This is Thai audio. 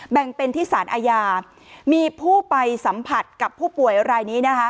แบ่งเป็นที่สารอาญามีผู้ไปสัมผัสกับผู้ป่วยรายนี้นะคะ